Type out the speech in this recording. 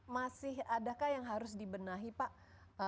masih adakah yang harus dibenahi pak